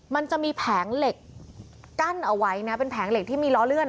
มันจะมีแผงเหล็กกั้นเอาไว้นะเป็นแผงเหล็กที่มีล้อเลื่อน